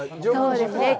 そうですね。